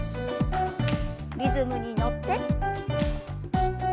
リズムに乗って。